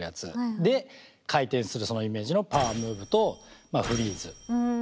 で回転するそのイメージのパワームーブとまあフリーズ。